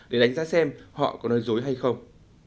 để đánh giá xem họ có nói dối hay không